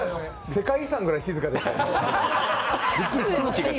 世界遺産ぐらい静かでしたね。